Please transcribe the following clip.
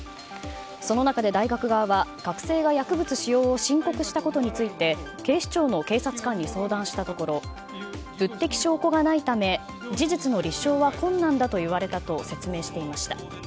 その中で大学側は学生が薬物使用を申告したことについて警視庁の警察官に相談したところ物的証拠がないため事実の立証は困難だと言われたと説明していました。